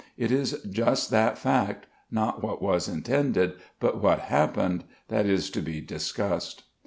It is just that fact, not what was intended, but what happened, that is to be discussed.